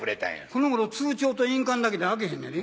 この頃通帳と印鑑だけであけへんのやで。